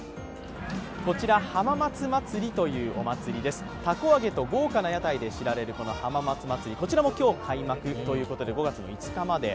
こちら、浜松まつりというお祭りでたこあげと豪華な屋台で知られるお祭りこちらも今日、開幕ということで５月５日まで。